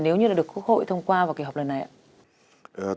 nếu như được quốc hội thông qua vào kỳ họp lần này ạ